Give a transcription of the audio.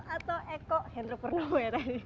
atau eko hendro purnomo ya tadi